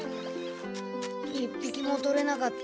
１ぴきもとれなかった。